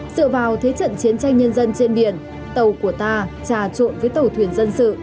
dựa vào thế trận chiến tranh nhân dân trên biển tàu của ta trà trộn với tàu thuyền dân sự